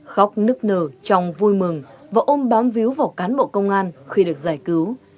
khóc nức nở tròng vui mừng và ôm bám víu vào cán bộ công an khi được giải cứu